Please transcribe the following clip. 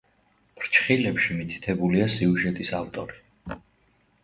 ფრჩხილებში მითითებულია სიუჟეტის ავტორი.